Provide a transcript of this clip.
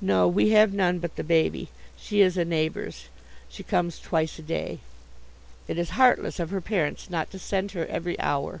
"No, we have none but the baby. She is a neighbor's. She comes twice a day." "It is heartless of her parents not to send her every hour."